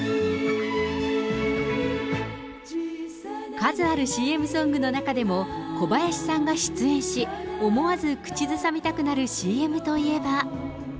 数あるＣＭソングの中でも、小林さんが出演し、思わず口ずさみたくなるＣＭといえば。